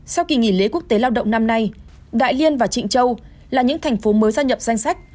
sau kỳ nghỉ lễ quốc tế lao động năm nay đại liên và trịnh châu là những thành phố mới gia nhập danh sách